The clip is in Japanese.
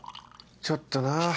ちょっとな。